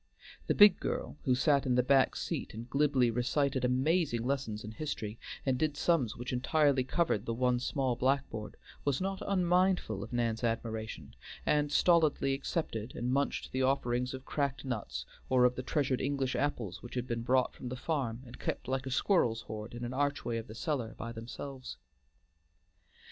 The big girl, who sat in the back seat and glibly recited amazing lessons in history, and did sums which entirely covered the one small blackboard, was not unmindful of Nan's admiration, and stolidly accepted and munched the offerings of cracked nuts, or of the treasured English apples which had been brought from the farm and kept like a squirrel's hoard in an archway of the cellar by themselves.